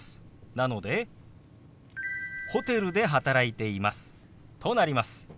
なので「ホテルで働いています」となります。